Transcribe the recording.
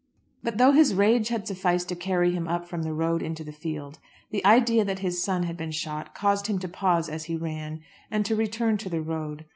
But though his rage had sufficed to carry him up from the road into the field, the idea that his son had been shot caused him to pause as he ran, and to return to the road.